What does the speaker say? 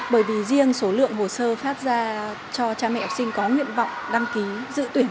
bởi vì riêng số lượng hồ sơ phát ra cho cha mẹ học sinh có nguyện vọng đăng ký dự tuyển